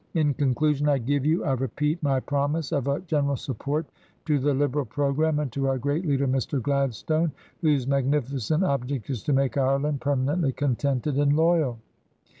In conclusion, I give you, I repeat, my promise of a general support to the 2i6 TRANSITION. Liberal Programme, and to our great leader, Mr. Glad stone, whose magnificent object is to make Ireland per manently contented and loyal."